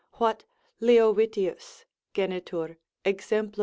what Leovitius genitur. exempl.